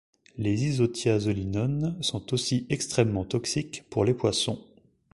Les isothiazolinones sont aussi extrêmement toxiques pour les poissons.